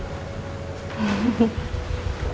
terima kasih ya